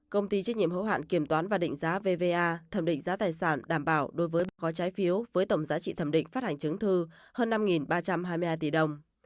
công ty trách nhiệm hữu hạn kiểm toán và định giá vva thẩm định giá tài sản đảm bảo đối với một gói trái phiếu với tổng giá trị thẩm định phát hành chứng thư hơn năm ba trăm hai mươi hai tỷ đồng